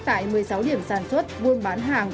tại một mươi sáu điểm sản xuất buôn bán hàng